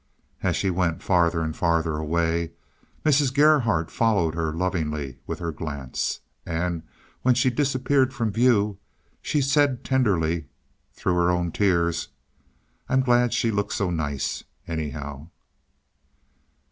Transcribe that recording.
As she went farther and farther away Mrs. Gerhardt followed her lovingly with her glance; and when she disappeared from view she said tenderly, through her own tears: "I'm glad she looked so nice, anyhow."